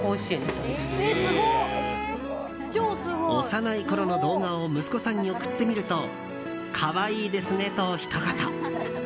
幼いころの動画を息子さんに送ってみると可愛いですねと、ひと言。